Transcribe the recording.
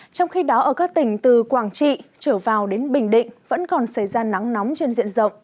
trong khi đó ở các tỉnh từ quảng trị trở vào đến bình định vẫn còn xảy ra nắng nóng trên diện rộng